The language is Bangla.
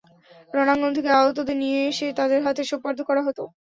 রণাঙ্গন থেকে আহতদের নিয়ে এসে তাদের হাতে সোপর্দ করা হত।